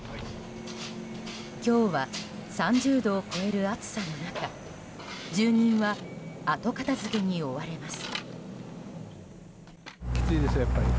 今日は、３０度を超える暑さの中住人は後片付けに追われます。